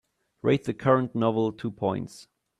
Rate the current novel two points